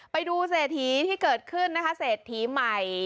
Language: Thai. ไปดูเศรษฐีที่เกิดขึ้นนะคะเศรษฐีใหม่